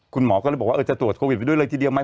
คุณหมอก็เลยบอกว่าจะตรวจโควิดไปด้วยเลยทีเดียวไหม